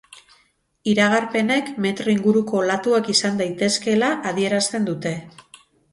Iragarpenek metro inguruko olatuak izan daitezkeela adierazten dute.